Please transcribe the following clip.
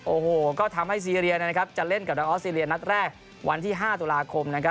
โอ้โหก็ทำให้ซีเรียนะครับจะเล่นกับทางออสเตรเลียนัดแรกวันที่๕ตุลาคมนะครับ